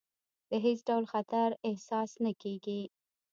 د هېڅ ډول خطر احساس نه کېږي.